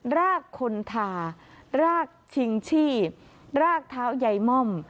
รากคนทารากชิงชีพรากเท้ายายม่อม